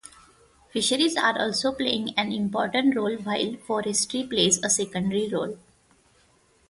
Fisheries are also playing an important role while forestry plays a secondary role.